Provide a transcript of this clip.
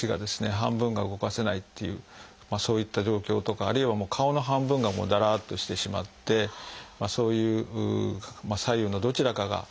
半分が動かせないっていうそういった状況とかあるいは顔の半分がだらっとしてしまってそういう左右のどちらかが駄目だという状況ですね。